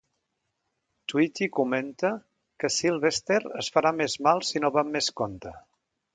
Tweety comenta que Sylvester es farà més mal si no va amb mes compte.